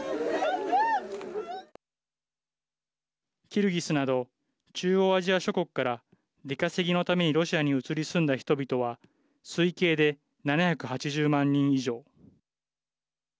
キルギスなど中央アジア諸国から出稼ぎのためにロシアに移り住んだ人々は推計で７８０万人以上。